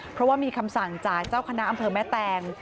เพราะว่ามีคำสั่งจากเจ้าคณะอำเภอแม่แตง